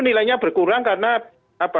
nilainya berkurang karena